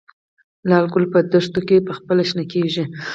لاله ګل په دښتو کې پخپله شنه کیږي؟